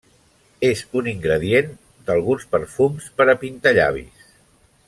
És un ingredient d'alguns perfums per a pintallavis.